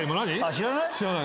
知らない？